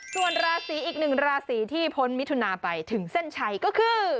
ส่วนราศีอีกหนึ่งราศีที่พ้นมิถุนาไปถึงเส้นชัยก็คือ